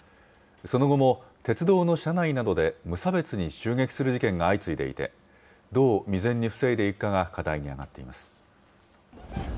その後も、鉄道の車内などで無差別に襲撃する事件が相次いでいて、どう未然に防いでいくかが課題に挙がっています。